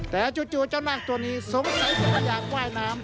แต่จู่เจ้านาคตัวนี้สงสัยจะไม่อยากว่ายน้ำ